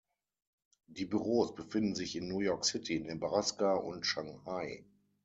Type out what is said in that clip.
Die Büros befinden sich in New York City, Nebraska und Shanghai.